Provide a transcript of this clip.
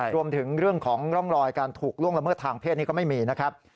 รวมถึงเรื่องของร่องรอยการถูกล่วงละเมิดทางเพศนี้ก็ไม่มีนะครับ